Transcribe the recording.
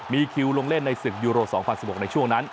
มีคิวลงเล่นในศึกยูโร๒๐๑๖ในช่วงนั้น